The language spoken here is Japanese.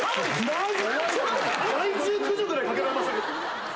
害虫駆除ぐらいかけられましたけど。